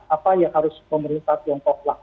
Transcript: apa yang harus pemerintah tiongkok lakukan